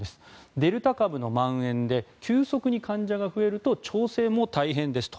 デルタ株のまん延で急速に患者が増えると調整も大変ですと。